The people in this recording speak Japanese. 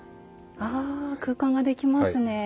あ空間ができますね。